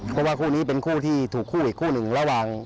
เพราะว่าคู่นี้เป็นคู่ที่ถูกคู่อีกคู่หนึ่งระหว่าง